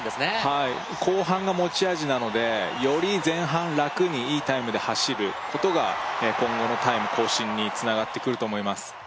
はい後半が持ち味なのでより前半楽にいいタイムで走ることが今後のタイム更新につながってくると思います